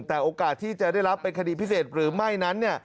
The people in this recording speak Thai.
แต่โอกาสที่จะได้รับเป็นคดีพิเศษหรือไม่นั้น